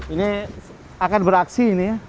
ini akan beraksi ini ya